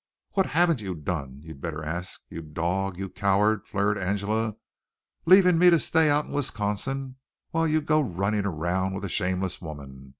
"What haven't you done, you'd better ask. You dog! You coward!" flared Angela. "Leaving me to stay out in Wisconsin while you go running around with a shameless woman.